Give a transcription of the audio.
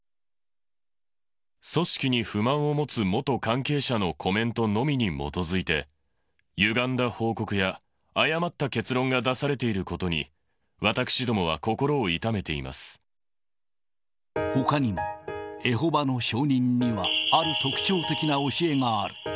組織に不満を持つ元関係者のコメントのみに基づいて、ゆがんだ報告や誤った結論が出されていることに、ほかにも、エホバの証人には、ある特徴的な教えがある。